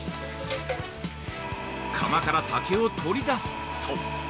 釜から竹を取り出すと◆